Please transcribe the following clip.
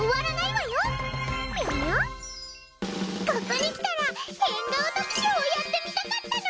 ここに来たらへんがお特集をやってみたかったの！